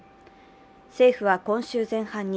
政府は今週前半に